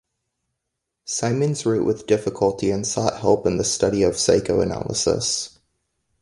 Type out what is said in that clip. Symons wrote with difficulty and sought help in the study of psychoanalysis.